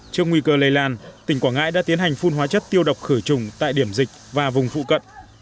trước nguy cơ lây lan tỉnh quảng ngãi đã tiến hành phun hóa chất tiêu độc khử trùng tại điểm dịch và vùng phụ cận